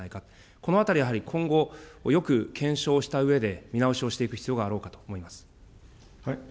このあたり、やはり今後、よく検証したうえで見直しをしていく必要があろうかと思います。